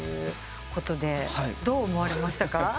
どう思われましたか？